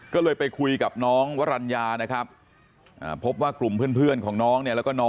ก็เลยไปคุยกับน้องวรรณญาพบว่ากลุ่มเพื่อนผมน้อง